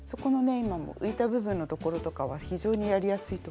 今も浮いた部分のところとかは非常にやりやすいと思います。